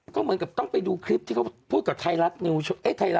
ก็เหมือนกับต้องไปดูคลิปที่เขาพูดกับไทยรัฐออนไลน์เนี่ยแหละ